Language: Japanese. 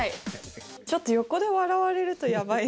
ちょっと横で笑われるとやばい。